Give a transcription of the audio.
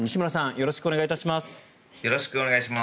よろしくお願いします。